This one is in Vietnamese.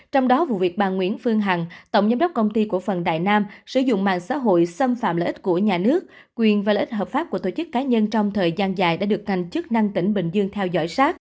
trong đó vụ việc bà nguyễn phương hằng tổng giám đốc công ty cổ phần đại nam sử dụng mạng xã hội xâm phạm lợi ích của nhà nước quyền và lợi ích hợp pháp của tổ chức cá nhân trong thời gian dài đã được ngành chức năng tỉnh bình dương theo dõi sát